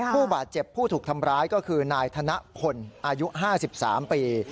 ผู้บาดเจ็บผู้ถูกทำร้ายก็คือนายธนพลอายุ๕๓ปี